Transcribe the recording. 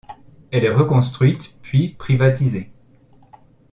Elle est reconstruite, puis privatisée.